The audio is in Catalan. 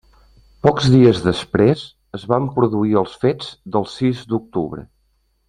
Pocs dies després es van produir els fets del sis d'octubre.